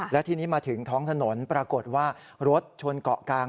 และทีนี้มาถึงท้องถนนปรากฏว่ารถชนเกาะกลาง